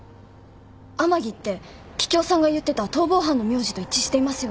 天樹って桔梗さんが言ってた逃亡犯の名字と一致していますよね？